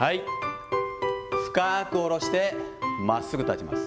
深く下ろしてまっすぐ立ちます。